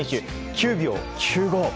９秒９５。